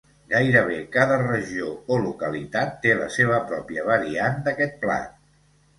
Gairebé cada regió o localitat té la seva pròpia variant d'aquest plat.